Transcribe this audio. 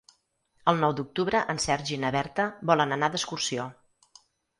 El nou d'octubre en Sergi i na Berta volen anar d'excursió.